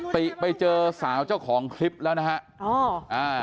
ติไปเจอสาวเจ้าของคลิปแล้วนะฮะอ๋ออ่า